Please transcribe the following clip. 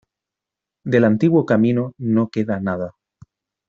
Del antiguo camino no queda nada.